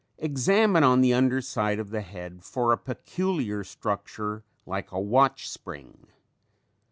Examine on the under side of the head for a peculiar structure like a watch spring.